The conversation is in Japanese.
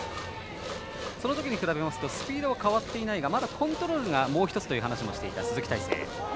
そのときに比べますとスピードは変わっていないがまだコントロールがもうひとつと話していた鈴木泰成。